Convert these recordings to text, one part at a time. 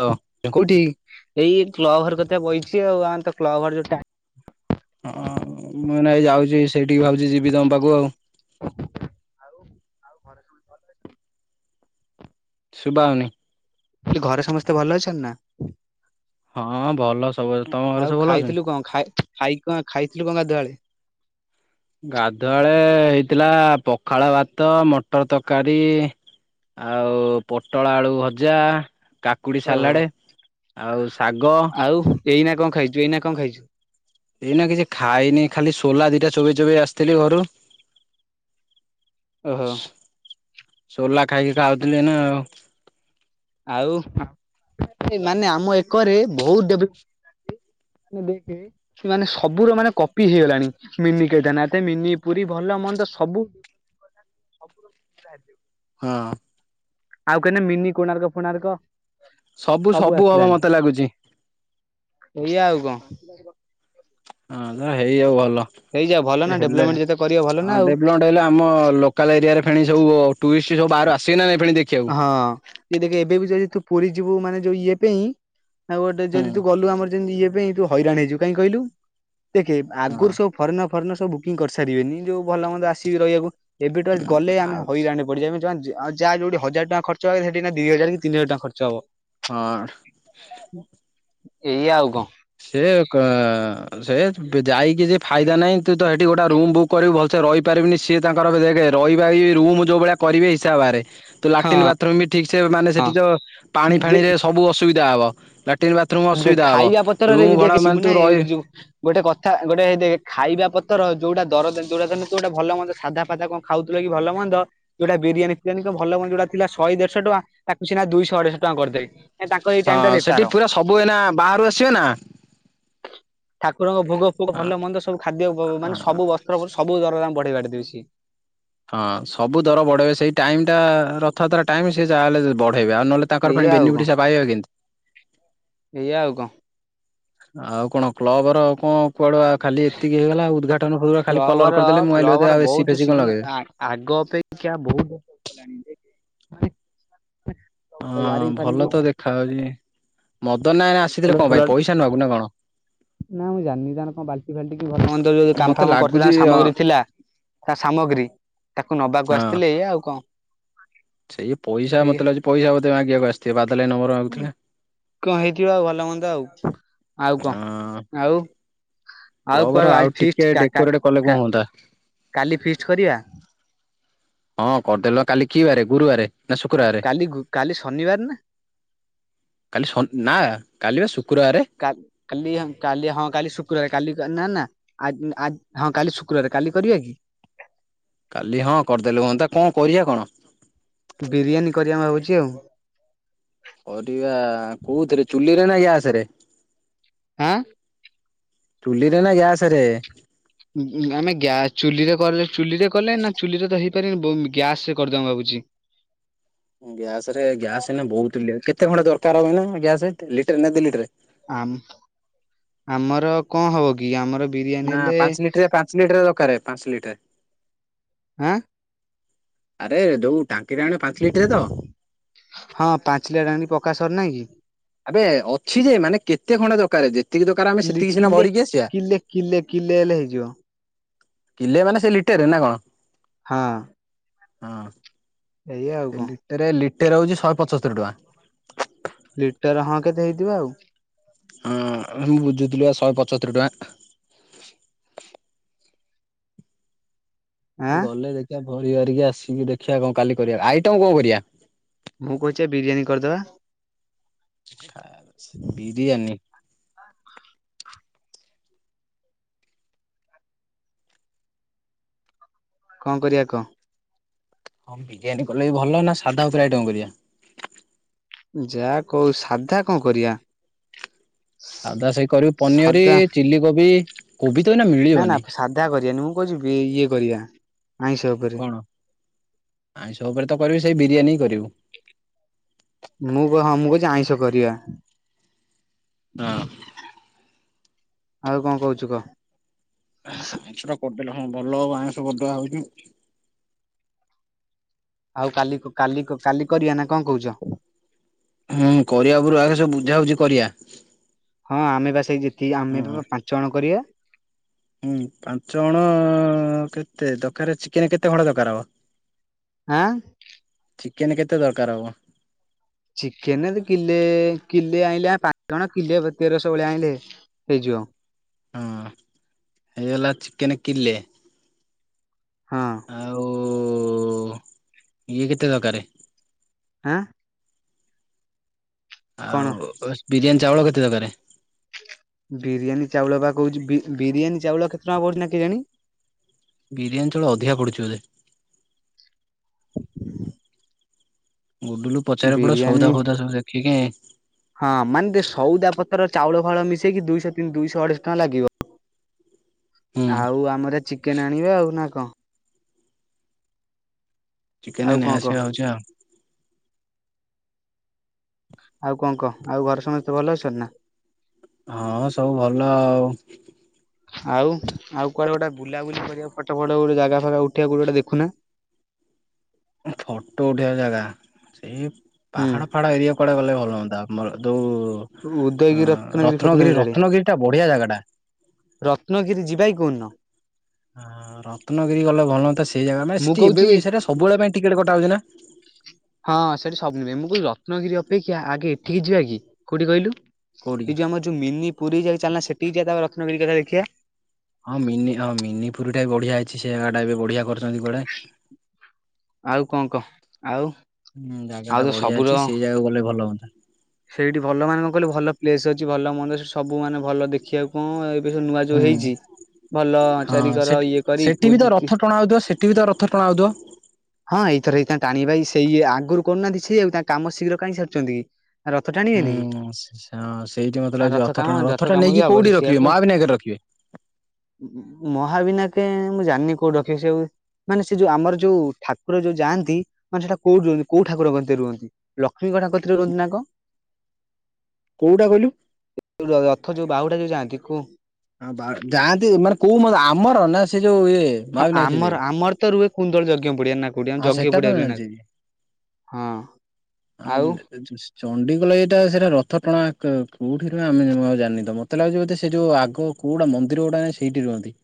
ହଁ କୋଉଠି ଏଇ କ୍ଲବ ଘର କତିରେ ବଇଛି ଆଉ ଆମେତ କ୍ଲବ ଯୋଉ ହଁ ମୁଁ ନାଇଁ ଯାଉଛି ସେଇଠିକି ଭାବୁଛି ଯିବି ତମ ପାଖକୁ ଆଉ। ଆଉ ଆଉ ଘରେ ସବୁ ଭଲ ଅଛି? ଶୁଭାହୋଉନି। ସେ ଘରେ ସମସ୍ତେ ଭଲ ଅଛନ୍ତି ନା? ହଁ ଭଲ ସବୁ ଅ ତମ ଆଉ ଘରେ ସବୁ ଭଲ ଖାଇଥିଲୁ ଅଛନ୍ତି? କଣ ଖାଇ ଖାଇ କ ଖାଇଥିଲୁ କଣ ଗାଧୁଆଳେ? ଗାଧୁଆଳେ ହେଇଥିଲା ପଖାଳ ଭାତ ମଟର ତରକାରୀ। ଆଉ ପୋଟଳ ଆଳୁ ଭଜା। କାକୁଡ଼ି ଓହୋ ସାଲାଡ଼ ଆଉ ଶାଗ। ଏଇ ନା କଣ ଖାଇଛୁ ଏଇନା କଣ ଖାଇଛୁ? ଏଇନା କିଛି ଖାଇନି ଖାଲି ସୋଲା ଦିଟା ଚୋବେଇ ଚୋବେଇ ଆସିଥିଲି ଘରୁ। ଓହୋ ସୋଲା ଖାଇ ଖାଇକି ଆଉ ଥିଲି ଆଉ। ଆଉ ମାନେ ଆମ ଏକରେ ବହୁତ ଡେଭଲପମେଣ୍ଟ ନେ ଦେଖେ। ମାନେ ସବୁର ମାନେ କପି ହେଇଗଲାଣି। ମିନି କେଥାନେ ମିନି ପୁରୀ ଭଲ ମନ୍ଦ ତ ସବୁ ହଁ। ଆଉ କହିଲେ ମିନି କୋଣାର୍କ ଫୋଣାର୍କ। ସବୁ ସବୁ ହବ ମତେ ଲାଗୁଛି। ଏଇଆ ଆଉ କଣ? ହଁ ହେଇଯାଉ ଭଲ ହେଇଯାଉ ଭଲ ନା ସେ ହେଲେ ଡେଭଲପମେଣ୍ଟ ଯେତେ କରିବ ଭଲ ନା ଆଉ। ଡେବ୍ଲଭମେଣ୍ଟ ହେଲେ ଆମ ଅକାଲ ଏରିଆର ଫେଣି ସବୁ ଟୁଇଷ୍ଟ ସବୁ ବାହାରୁ ଆସିବେନା ନାହିଁ ଫେଣି ଦେଖିବାକୁ। ହଁ ଯଏ ଦେଖ ଏବେ ବି ଯଦି ତୁ ପୁରୀ ଯିବୁ ମାନେ ଯୋଉ ଇଏ ପାଇଁ ଆଉ ଗୋଟେ ହୁଁ ଯଦି ତୁ ଗଲୁ ଆମର ତି ଇଏ ପାଇଁ ତୁ ହଇରାଣ ହେଇଯିବୁ କାଇଁ କହିଲୁ ଦେଖେ ହଁ ଆଗରୁ ସବୁ ଫରେନର୍ ଫରେନର୍ ସବ ବୁକିଂ କରିସାରିବେନି ଯୋଉ ଭଲ ମନ୍ଦ ଆସିବେ ରହିବାକୁ ଏବେ ଠୁ ଗଲେ ଆମେ ଆଉ ହଇରାଣ ପଡ଼ିଯିବା ଯାହା ଯୋଉଠି ହଜାର ଟଙ୍କା ଖର୍ଚ୍ଚ ସେଠି ଦିଇ ହଜାର ତିନି ହଜାର ଟଙ୍କା ଖର୍ଚ୍ଚ ହବ। ହଁ। ଏଇ ଆଉ କଣ? ସେ ସେ ଯାଇକି ସେ ଫାଇଦା ନାହିଁ ତୁ ତ ଗୋଟେ ରୁମ ବୁକ୍ କରିବବୁ ଭଲସେ ରହିପାରିବିନି ତାଙ୍କର ଦେଖେ ରହିବ ରୁମ ଯୋଉ ଭଳିଆ କରିବେ ହିସାବରେ ତ ହଁ ଲାଟିନ୍ ବାଥରୁମ୍ ବି ଠିକ ସେ ମାନେ ସେଠି ତ ପାଣି ଦେ ଫାଣିରେ ସବୁ ଅସୁବିଧା ହବ। ଲାଟିନ ବାଥରୁମ ଅସୁବିଧା ହବ। ରେ ରୁମ୍ ବି ଭଡା ମାନେ ଦେଖସିବୁ ତୁ ନା ଏଇ ରହି ଯୋଉ ଗୋଟେ କଥା ଗୋଟେ ଦେଖ୍ ଖାଇବା ପତର ଯୋଉଟା ଦର ଯୋଉଟା ତ ତ ଗୋଟେ ଭଲ ମନ୍ଦ ସାଧା ଫାଧା କଣ ଖାଉଥିଲ କି ଭଲ ମନ୍ଦ। ଯୋଉଟା ବିରିୟାନୀ ଫିରିଆନୀ ଭଲ ମନ୍ଦ ଯୋଉଟା ଥିଲା ଶହେ ଦେଢଶହ ଟଙ୍କା ତାକୁ ସିନା ଦୁଇଶହ ଅଢେଇଶହ ଟଙ୍କା କରିଦେବେ। ଏ ତାଙ୍କର ଏଇ ହଁ ଟାଇମ୍ ଟା ବେପାର। ସେଠି ପୁରା ସବୁ ଏନା ବାହାରୁ ଆସିବେ ନା ଠାକୁରଙ୍କ ଭୋଗ ଫୋଗ ଭଲ ମନ୍ଦ ସବୁ ଖାଦ୍ୟ ମାନେ ସବୁ ବ ସବୁ ଦରଦାମ୍ ବଢେଇ ବାଢେଇ ଦେବେ ସିଏ। ହଁ ସବୁ ଦର ବଢେଇବେ ସେଇ ଟାଇମଟା ରଥଯାତ୍ରା ଟାଇମ ସେଏ ଯାହାଲେ ବଢେଇବେ ଆଉ ନହେଲେ ତାଙ୍କର ଏଇଆ ପୁଣି ଆଉ କଣ ବେନିଫିଟ ପାଇବେ କେନ୍ତୀ ଏଇଆ ଆଉ କଣ? ଆଉ କଣ କ୍ଲବର କଣ କୁଆଡୁଆ ଖାଲି ଏତିକିହେଇଗଲା ଉଦ୍ଘାଟନ ଖାଲି କଲର କ୍ଲବର କରିଦେଲେ ମୁଁ କ୍ଲବର ଭାବିଲି ଆଉ ଏସି ବହୁତ ଫେସି କଣ ଶିବୁନା ଲଗେଇବେ? ଆ ଆଗ ଅପେ ଅପେକ୍ଷା [inaudible] ଦେଖ ହାଉଛି ମଦନା ଆସିଥିଲେ କଲର କଣ ପାଇଁ ଫଲର ପଇସା ନବାକୁ ନା କଣ? ନା ମୁଁ ଜାଣିନି ତାର କଣ ବାଲ୍ଟି ଫାଲ୍ଟି ଭିତରେ ଯୋଉ କାମ ମତେ ଫାମ କରିଥିଲା ଲାଗୁଛି ହଁ ସାମଗ୍ରୀ ଥିଲା। ତା ସାମଗ୍ରୀ ତାକୁ ନବାକୁ ଆସିଥିଲେ ଏଇଆ ଆଉ କଣ? ସେଇ ପଇସା ଏଇଆ ମତେ ଲାଗୁଛି ପଇସା ବୋଧେ ମାଗିବାକୁ ଆସିଥିବ ବାଦଲ ଭାଇ ନବ। କଣ ହେଇଥିବ ଆଉ ଭଲ ମନ୍ଦ ଆଉ ଆଉ ହଁ। କଣ ଆଉ ଆଉ କ୍ଲବର କଣ ଆଜି ଟିକେ ଫିଷ୍ଟ କା ଡେକୋରେଟ କଲେ କଣ କା ହୁଅନ୍ତା କାଲି ଫିଷ୍ଟ କରିବା। ହଁ କରିଦେଲ କାଲି କିି ବାରେ ଗୁରୁବାର। କାଲି ଗୁ କାଲି ଶନିବାର ନା। କାଲି ଶ ନା କାଲିି ବା ଶୁକ୍ରବାର। କା କାଲି କାଲି ହଁ କାଲି ଶୁକ୍ରବାର କାଲି ନା ନା ଆ ଆ ହଁ କାଲି ଶୁକ୍ରବାର କାଲି କରିବା କି? କାଲି ହଁ କରିଦେଲେ ହୁଅନ୍ତା କଣ କରିବା କଣ? ବିରିୟାନୀ କରିବା ଭାବୁଛି ଆଉ କରିବା କୋଉଥିରେ ଚୁଲିରେ ନା ଗ୍ୟାସରେ। ହାଁ। ଚୁଲିରେ ନା ଗ୍ୟାସରେ। ଆମେ ଗ୍ୟା ଚୁଲିରେ କଲେ ଚୁଲିରେ କଲେ ନା ଚୁଲିରେ ତ ହେଇପାରନି ଗ୍ୟାସରେ କରିଦବା ଭାବୁଛି। ଗ୍ୟାସରେ ଗ୍ୟାସ ବହୁତ କେତେ ଖଣ୍ଡେ ଦରକାର ହବ ନା ଗ୍ୟାସ ଲିଟର ନା ଦି ଲିଟର। ଆମ୍ ଆମର କଣ ହବ କି ଆମର ବିରିୟାନୀ ନା ହେଲେ। ପାଞ୍ଚ ଲିଟରିଆ ପାଞ୍ଚ ଲିଟର ଦରକାର ପାଞ୍ଚ ଲିଟର ଆଁ। ଆରେ ଯୋଉ ଟାଙ୍କିରେ ଆଣେ ପାଞ୍ଚ ଲିଟରେ ତ ହଁ ପାଞ୍ଚଲିଟର ଆଣ ପକାସର ନାହିଁ କି? ଆବେ ଅଛି ଯେ ମାନେ କେତେ ଖଣ୍ଡେ ଦରକାର ଯେ ସେତିକି ଦରକାର ଆମେ କି ଲି ସେତିକି ସିନା କିଲେ ଭରିକି ଆସିବା। କିଲେ କିଲେ କିଲେ ହେଲେ ହେଇଯିବ କିଲେ ମାନେ ସେ ଲିଟରରେ ନା କଣ ହଁ। ହଁ। ଏଇଆ ଆଉ କଣ। ଏରେ ଲିଟର ହେଉଛି ଶହେ ପଞ୍ଚସ୍ତରି ଟଙ୍କା। ଲିଟର ହଁ କେତେ ହେଇଥିବ ଆଉ। ହଁ ମୁଁ ବୁଝୁଥିଲି ଶହେ ପଞ୍ଚସ୍ତରୀ ଟଙ୍କା। ଆଁ ଗଲେ ଦେଖିବା ଭରି ହରିକି ଆସିକି ଦେଖିବା କଣ କାଲି ଆଇଟମ କଣ କରିବା। ମୁଁ କହୁଛି ବିରିୟାନୀ କରିଦେବା। ବିରିୟାନୀ। କଣ କରିବା କହ? ହଁ ବିରିୟାନୀ କଲେ ବି ଭଲ ନା ସାଧା ଆଉ ପ୍ର ଆଇ ଟମ କରିବା। ଯାହା କହୁ ସାଧା କଣ କରିବା। ଆଉଧା ସେଇ କରିବୁ ପନିର ସାଧା ଚିଲ କୋବି କୋବି ତ ନା ମିଳ ନା ନା ସାଧା କରିବାାନି ମୁଁ କହୁଛିି ଇଏ କରିବା ଆଇଁଷ। ଉପରେ କଣ ଆଇଁଷ ଉପରେ ତ କରିବୁ ସେଇ ବିରିୟାନୀ ହି କରିବୁ। ମୁଁ କ ହଁ ମୁଁ କହୁଛି ଆଇଁଷହ କରିବା। ହଁ। ଆଉ କଣ କହୁଛୁ କହ? ଆଇଁଷ ଟା କରିଦେଲେ ହଁ ଭଲ ହବ ଆଇଁଷ ବଦଆ ହଉଚୁ। ଆଉ କାଲି -କାଲି -କାଲି କରିବା ନା କଣ କହୁଛ। ହୁଁ କରିବା ପରୁ ଆଗେ ସବୁ ବୁଝା ହଉଛି କରିବା। ହଁ ଆମେ ବା ସେଇ ଯେତିକି ଆମେ ହଁ ବା ପାଞ୍ଚ ଜଣ କରିବା। ହୁଁ ପାଞ୍ଚଗଣ କେତେ ଦରକାର ଚିକେନ କେତେ ଖଡ ଦରକାର ହବ। ଆଁ ଚିକେନ କେତେ ଦରକାର ହବ। ଚିକେନ ତ କିଲେ କିଲେ ଆଣିଲେ ପାଞ୍ଚ ଜଣ କିଲେତି ରସ ଭଳିଆ ଆଣିଲେ ହେଇଯିବ। ହଁ ହେଇଗଲା ଚିକେନ କିିଲେ। ହଁ। ଆଉ ଇଏ କେତେ ଦରକାର ଆଁ କଣ ଆଉ ବିରିୟାନୀ ଚାଉଳ କେତେ ଦରକାର? ବିରିୟାନୀ ଚାଉଳ ବା କହୁଛି ବିରିୟାନୀ ଚାଉଳ କେତେ ଟଙ୍କା ପଡୁଛି ନା କେଜାଣି। ବିରିୟାନୀ ଚାଉଳ ଅଧିକା ପଡ଼ୁଛି ବୋଧେ। ହୁଁ ଗୁଡୁଲୁ ପଚାର ପଡ ସଉଦା ବିରିୟାନୀ ଫଉଦା ସବୁ ଦେଖିକି ହଁ ମାନେ ସଉଦା ପତ୍ରର ଚାଉଳ ଫଳ ମିଶେଇକି ଦୁଶହତିନି ଦୁଇଶହ ଅଢେଇଶ ଟଙ୍କା ଲାଗିବ। ହୁଁ ଆଉ ଆମର ଚିକେନ ଆଣିବେ ଆଉ ନା କଣ। ଚିକେନ ଆଉ ନେଇ କଣ କହ ଆସିବା ହଉଛି ଆଉ। ଆଉ କଣ କହ ଆଉ ଘର ସମସ୍ତେ ଭଲ ଅଛନ୍ତି ନା। ହଁ ସବୁ ଭଲ ଆଉ। ଆଉ ଆଉ କୁଆଡେ ଗୋଟେ ବୁଲା ବୁଲି କରିବା ପଟ ଫଟ ଗୋଟେ ଜାଗା ଫାଗା ଉଠିବା କୋଟେ ଗୋଟ ଦେଖୁ ନା। ଫଟୋ ଉଠେଇବା ଜାଗା ସେଇ ହୁଁ। ପାହାଡ ଫାଡ ଏରିଆ କକୁଡ଼େ ଗଲେ ଭଲ ହୁଅନ୍ତା ଆମର ଉଦୟଗିରି ଯେଉ ରତ୍ନଗିରି ଫତ୍ନଗିରି ଆଡେ ରତ୍ନଗିରିଟା ବଢ଼ିଆ ଜାଗାଟା। ରତ୍ନଗିରି ଯିବାକି କୋଦିନ? ହଁ ରତ୍ନଗିରି ଗଲେ ଭଲ ହଅନ୍ତା ସେଇ ଜାଗା ମାନେ ମୁଁ ସେଠି ଏବେ କହୁଛି ବି ସେଇଟା ସବୁବେଳେ ପାଇଁ ଟିକେଟ୍ କଟା ହଉଛି ନା। ହଁ ସେଠି ସବୁ ନୁହେଁ ମୁଁ କହୁଉ ରତ୍ନଗିରି ଅପେକ୍ଷା ଆଗେ ଏଠିକି ଯିବା କି କୋଉଠି କହିଲୁ। କୋଉଠିକି? ଏ ଯଉ ଆମ ଯଉ ମିନ ପୁରୀ ଯଇ ଚାଲୁନ ସେଠି ଯ ତା ରତ୍ନଗିରି କଥା ଦେଖିବା। ହଁ ମିନି ହଁ ମିନି ପୁରୀ ଟା ବି ବଢିଆ ଅଛି ସେ ଜାଗା ଟା ଏବେ ବଢିଆ କରିଛନ୍ତି କୁଆଡେ? ଆଉ କଣ କହ? ଆଉ, ହୁଁ ଜାଗା ଆଉ ଟା ତ ବଢିଆ ସବୁର ଅଛି ସେଇ ଜାଗା ଗଲେ ଭଲ ହୁନ୍ତା। ସେଇଠି ଭଲ ମାନେ କଣ କହିଲୁ ଭଲ ପ୍ଲେସ ଅଛି ଭଲ ମନ୍ଦିର ସବୁ ମାନେ ଭଲ ଦେଖିବାକୁ ଉ ଏବେ ସବୁ ନୂଆ ଯୋଉଁ ହୁଁ ହେଇଛି। ଭଲ ହଁ ଚାରିିକର ସେଠି ଇଏ କରି ସେଠି ପୁ ବି ତ ରଥ ଦତି ଟଣା ହଉଥିବ ସେଠି ବି ତ ରଥ ଟଣା ହଉଥିବ। ହଁ ଏଇଥର ସେଇ ତା ଟାଣିବା ଭାଇ ସେଇ ଆଗରୁ କରୁନାହାନ୍ତି ସେ ଆଉ ତାଙ୍କ କାମ ଶୀଘ୍ର କାଇଁ ସାରୁଛନ୍ତି କି? ରଥ ଟାଣିବେନି କି? ହୁଁ ହଁ ସା ସେଇଠି ମତେ ଲାଗୁଛି ରଥ କାମ ଟଣା ରଥ ଟା କାମ ବି ନେଇକି ହବ ସେ କୋଉଠି ରଖିବେ ସେଇଆକୁ ମାହା ବିନାୟକ ରଖିବେ? ମହାବିନାୟକେ ମୁଁ ଜାଣିନି କୋଉଠି ରଖିବି ସେଉ ମାନେ ସେ ଯୋଉ ଆମର ଯୋଉ ଠାକୁର ଯୋଉ ଯାଆନ୍ତି ମାନେ ସେଇଟା କୋଉ ରୁହନ୍ତି କୋଉଠାରଙ୍କ କତିରେ ରୁହନ୍ତି? ଲକ୍ଷ୍ମୀ କଥା କହିଥିଲି ତତେ ନା କଣ? କୋଉଟା କହିଲୁ? ରଥ ଯୋଉ ବାହୁଡା ଯୋଉ ଯାଆନ୍ତି କୁ ହଁ ବା ଯାଆନ୍ତି ମାନେ କୋଉ ମ ଆମର ନା ସେ ଯୋଉ ଇଏ ହଁ ମହାବିନାୟକ ସେ ଯୋଉ ଆମର ଇଏ। ଆମର ତ ରୁହେ କୁନ୍ଦଳ ଯଜ୍ଞ ପଡିଆ ନା କୋଠି ଆମ ହଁ ଯଜ୍ଞ ସେଟା ତ ପଡିଆ ମୁଁ ରୁହେ ନା। ଜାଣିଛି। ହଁ। ଆଉ [unintelligible] ଚଣ୍ଡିଖୋଲ ଏଇଟା ସେଇଟା ରଥ ଟଣା କୋଉଠି ନୁହେ ଆମେ ଜାଣିନି ତ ମତେ ଲାଗୁଛି ବ ସେ ଯୋଉ ଆଗକୁ କୋଉଡା ମନ୍ଦିର ଗୋଡା ନା ସେଇଠି ରୁହନ୍ତି?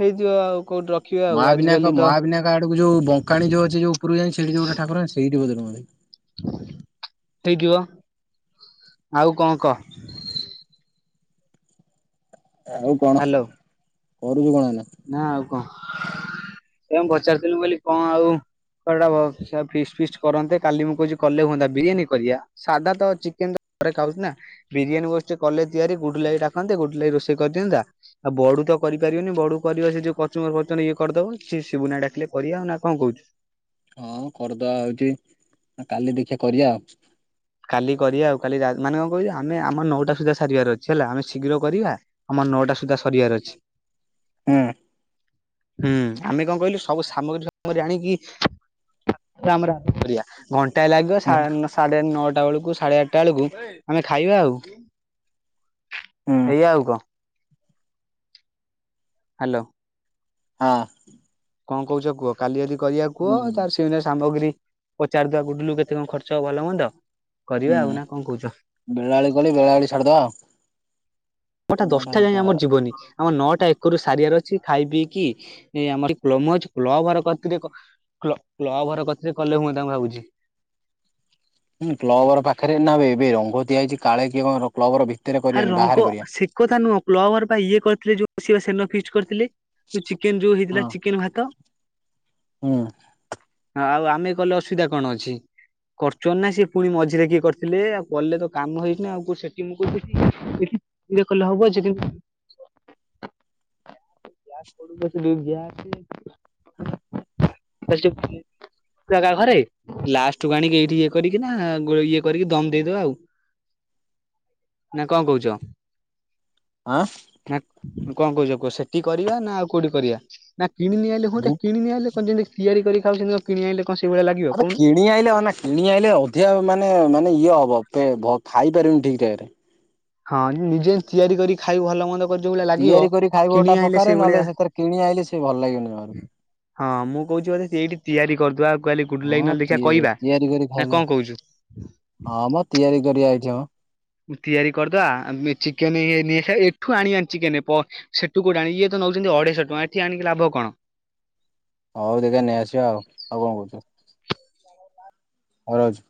ହେଇଯିବ ଆଉ କୋଉଠି ରଖିବା ଆଉ ମହାବିନାୟକ ଆଜିକାଲି ତ, ମହାବିନାୟକ ଆଡକୁ ଯୋଉ ବଙ୍କାଣୀ ଯଉ ଅଛି ଯୋଉ ଉପକୁଜାଇ ସେଠି ଯୋଉଠାକୁର ସେଠି ବୋଧେ ରହନ୍ତି। ହେଇଯିବ ଆଉ କଣ କହ? ଆଉ କଣ ହ୍ୟାଲୋ ପଢୁଛୁ କଣ ଏଇନା? ନା ଆଉ କଣ ଏ ପଚାରୁଥିଲୁ ବୋଲି କଣ ଆଉ [inaudible] ଫିଷ୍ଟ ଫିଷ୍ଟ କରନ୍ତେ କାଲି ମୁଁ କହୁଛି କଲେ ହୁଅନ୍ତା ବିରିୟାନୀ କରିବା। ସାଧା ତ ଚିକେନ ତ ଘରେ ଖାଉଛି ନା। ବିରିୟାନ ଭୋଜି କଲେ ତିଆରି ଗୁଡୁଲୁ ଭାଇ ଡାକନ୍ତେ ଗୁଡୁଲୁ ଭାଇ ରୋଷେଇ କରିଦିଅନ୍ତା। ଆଉ ବଡୁ ତ କରିପାରିବନି ବଡୁ କରିବା ସେ ଯୋଉ କଂଚୁମ୍ୱର୍ ଫଂଚୁବର୍ ଇଏ କରିଦବ ସିଏ ସିବୁ ନା ଡାକିଲେ କରିବା ଆଉ ନା କଣ କହୁଛୁ? ହଁ କରିଦବା ହଉଛି କାଲି ଦେଖିବା କରିବା ଆଉ। କାଲି କରିବା ଆଉ କାଲି ମାନେ କଣ କହିବ ଆମ ଆମ ନଅଟା ସୁଦ୍ଧା ସାରିବାର ଅଛି ହେଲା ଆମେ ଶୀଘ୍ର କରିବା। ଆମର ନଅଟା ସୁଦ୍ଧା ସରିବାର ଅଛି। ହୁଁ। ହୁଁ ଆମେ କଣ କହିଲୁ ସବୁ ସାମଗ୍ରୀ ସାମଗ୍ରୀ ଆଣିକି, [inaudible] ଘଣ୍ଟାଏ ଲାଗିବ ସା ହୁଁ ସାଢେ ନଅଟା, ଆଠଟା ବେଳକୁ ସାଢେ ଆଠଟା ବେଳକୁ ଆମେ ଖାଇବା ଆଉ ହୁଁ ଏଇଆ ଆଉ କଣ? ହାଲୋ। ହଁ। କଣ କହୁଛ କୁହ କାଲି ଯଦି କରିବା ହୁଁ କୁହ ତା କେ ସାମଗ୍ରୀ ପଚାର ଦବା ଗୁଡିଲୁ କେତେ କଣ ଖର୍ଚ୍ଚ ହେବ ଭଲ ମନ୍ଦ କରିବା ହୁଁ ଆଉ ନା କଣ କହୁଛ? ବେଳାବେଳି ଗଲେ ବେଳାଳି ସାରିଦବା ଆଉ। ମୋଠା ନଅଟା ଦଶଟା ଯାଏଁ ସାତଟା ଆମ ଜୀବନି। ଆମ ନଅଟା ଏକରୁ ସାରିବାର ଅଛି ଖାଇ ପିଇକି ଏ ଆମରି କ୍ଲବ ଘରେ କତିରେ କ୍ଲ କ୍ଲବଘର କତିରେ କଲେ ହୁଅନ୍ତା ମୁଁ ଭାବୁଛି। ହୁଁ କ୍ରବର ଘରପାଖରେ ନାବେ ଏବେ ରଙ୍ଗ ଦିଆହେଇଛି କାଳେ କିଏ କଣ ର କବର ଭିତରେ ଆରେ କରିବାନି ବାହାରେ ରଙ୍ଗ କରିବା। ସେ କଥା ନୁହଁ କ୍ଲବର ବା ଇଏ କରିଥିଲେ ଯୋଉ ସେଦିନ ଫିଷ୍ଟ କରିଥିଲେ ଚିକେନ ଯୋଉ ହେଇଥିଲା ହଁ ଚିକେନ ଭାତ। ହୁଁ ହଁ ଆଉ ଆମେ କଲେ ଅସୁବିଧା କଣ ଅଛି? କରୁଛନ୍ତି ନା ସିଏ ପୁଣି ମଝିରେ କିଏ କରିଥିଲେ ଆଉ କଲେ ତ କାମ ହେଇଛିି ଆଉ ସେଠି ମୁଁ କହୁଛିି। ଏଠି ଇଏ କଲେ ହବ ଯେ କିନ୍ତୁ। [inaudible] ଫାଷ୍ଟ୍ ଫୁଡ୍ ର ଯୋଉ ଗ୍ୟାସ ଜାଗା ଘରେ ଲାଷ୍ଟ କୁ ଆଣିକି ଏଇଠି ଇଏ କରିକି ନା ଗୋ ଇଏ କରିକି ଦମ୍ ଦେଇଦବା ଆଉ। ନା କଣ କହୁଛ। ଆଁ। ନା କଣ କହୁଛ କୁହ ସେଠି କରିବା ନା ଆଉ କୋଉଠି କରିବା ନା କିଣିନି ଆଇଲେ ହୁହନ୍ତା କିଣିନେଇ ଆଇଲେ। କଣ ଯେମିତି ତିଆରି କରି ଖାଉଛନ୍ତି ସେ କିଣି ଆଣିଲେ କଣ ସେଇଭଳି ଲାଗିବ ଆବେ କହୁନୁ। କିଣି ଆଣିଲେ ଅନା କିଣି ଆଇିଲେ ଅଧିକ ମାନେ ମାନେ ଇଏ ହବ ଖାଇପାରିବନି ଠିକ୍ ଠାକ୍ ରେ। ହଁ ନିଜେ ତିଆରି କରି ଖାଇ ଭଲ ମନ୍ଦ। କରି ଯୋଉ ଭଳିଆ ଲାଗିବ ତିଆରି କରି ଖାଇବ କିଣି ଗୋଟା ଆଣିଲେ ପ୍ରକାରେ ସେଇଭଳିଆ ନହେଲେ ସେଥିରେ କିଣି ଆଣିଲେ ସେ ଭଲ ଲାଗିବନି ଜମାରୁ। ହଁ ମୁଁ କହୁଛିି ବୋଧେ ସେଇଠି ତିଆରି କରିଦବା ଆଉ କହଲି ଗୁଡଲି ଭାଇ ହଁ ନହେଲେ ତି ଦେଖିବା କହିବା ତିଆରି କରି ନା ଖାଇଦେ କଣ କହୁଛୁ। ହଁ ମ ତିଆରି କରିବା ଏଇଠି ମ। ତିଆରି କରିଦବା ଚିକେନ ଏଠୁ ଆଣିବାନି ଚିକେନ। ସେଠୁ କୋଉଠୁ ଆଣି ଇଏ ତ ନଉଛନ୍ତି ଅଢେଇଶହ ଟଙ୍କା ଏଠି ଆଣିକି ଲାଭ କଣ। ହଉ ଦେଖେ ନେଇଆସିବା ଆଉ ଆଉ କଣ କହୁଛୁ। ହଉ ରହୁଚି।